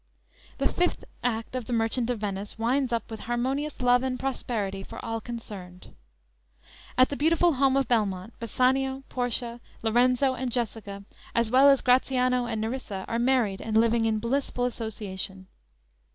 The fifth act of the "Merchant of Venice" winds up with harmonious love and prosperity for all concerned. At the beautiful home of "Belmont," Bassanio, Portia, Lorenzo and Jessica, as well as Gratiano and Nerissa are married and living in blissful association.